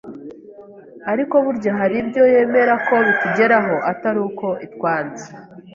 ariko burya hari ibyo yemera ko bitugeraho atari uko itwanze